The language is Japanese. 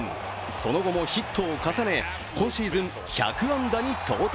その後もヒットを重ね、今シーズン１００安打に到達。